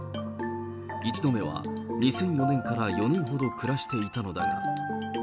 １度目は、２００４年から４年ほど暮らしていたのだが。